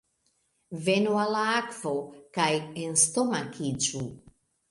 Venu al la akvo, kaj enstomakiĝu!